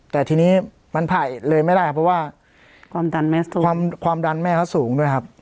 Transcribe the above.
แต่ทีนี้มันผ่ายเลยไม่ได้ครับเพราะว่าความดันสูงความดันแม่เขาสูงด้วยครับ